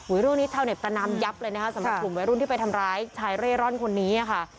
เรื่องนี้ชาวเน็ตประนามยับเลยนะคะสำหรับกลุ่มวัยรุ่นที่ไปทำร้ายชายเร่ร่อนคนนี้ค่ะ